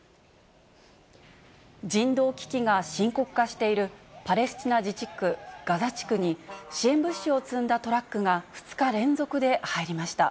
人道危機が深刻化しているパレスチナ自治区ガザ地区に、支援物資を積んだトラックが、２日連続で入りました。